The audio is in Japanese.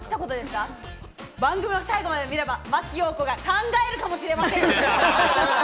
番組を最後まで見れば、真木よう子が考えるかもしれません。